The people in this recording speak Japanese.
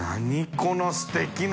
このすてきな。